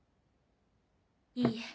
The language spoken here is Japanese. いいえ